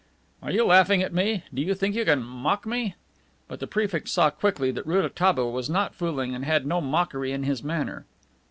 "Are you laughing at me? Do you think you can mock me?" But the prefect saw quickly that Rouletabille was not fooling and had no mockery in his manner.